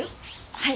はい。